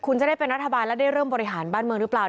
คุณจะได้เป็นรัฐบาลและได้เริ่มบริหารบ้านเมืองหรือเปล่า